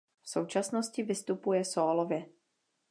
V současnosti vystupuje sólově.